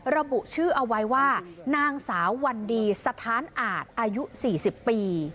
ระบุชื่อเอาไว้ว่านางสาววันดีสถานอาจอายุ๔๐ปี